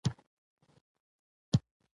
زده کوونکي د اوږدو لیکنو تمرین کاوه.